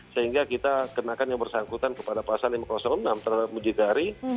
sehingga kita kenakan yang bersangkutan kepada pasal lima ratus enam terhadap mucikari